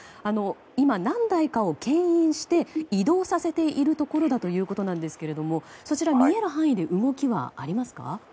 今、何台かを牽引して移動させているところだということですがそちら、見える範囲で動きはありますか？